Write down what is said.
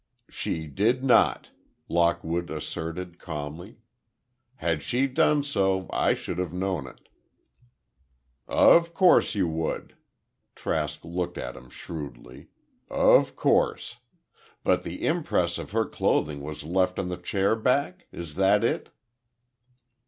"She did not!" Lockwood asserted, calmly. "Had she done so, I should have known it." "Of course you would," Trask looked at him shrewdly. "Of course. But the impress of her clothing was left on the chairback? Is that it?"